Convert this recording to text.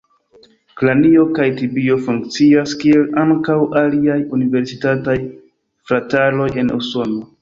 Kranio kaj tibio funkcias kiel ankaŭ aliaj universitataj frataroj en Usono.